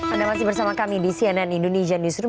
anda masih bersama kami di cnn indonesia newsroom